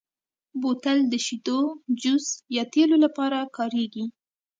بوتل د شیدو، جوس، یا تېلو لپاره کارېږي.